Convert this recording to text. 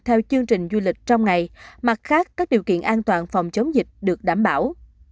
theo chương trình du lịch trong ngày mặt khác các điều kiện an toàn phòng chống dịch được đảm bảo